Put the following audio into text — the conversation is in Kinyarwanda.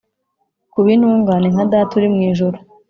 kuba intungane nka data uri mu ijuru)